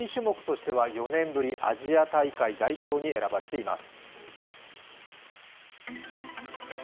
個人種目としては４年ぶりアジア大会代表に選ばれています。